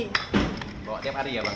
di bawah setiap hari ya pak